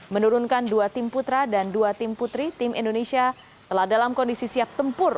menurunkan dua tim putra dan dua tim putri tim indonesia telah dalam kondisi siap tempur